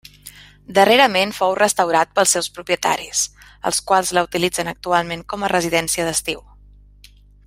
Darrerament fou restaurat pels seus propietaris, els quals la utilitzen actualment com a residència d'estiu.